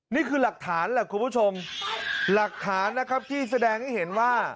นี่คือหลักฐานแหละคุณผู้ชมหลักฐานนะครับที่แสดงให้เห็นว่า